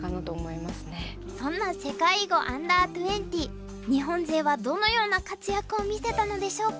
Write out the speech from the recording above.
そんな世界囲碁Ｕ−２０日本勢はどのような活躍を見せたのでしょうか。